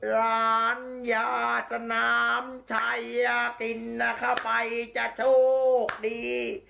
ร้านยาสนามชัยอย่ากินนะเข้าไปจะโชคดี